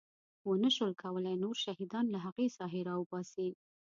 ونه شول کولی نور شهیدان له هغې ساحې راوباسي.